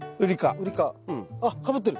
あかぶってる！